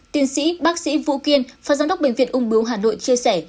tuyên sĩ bác sĩ vũ kiên phát giám đốc bệnh viện úng bướu hà nội chia sẻ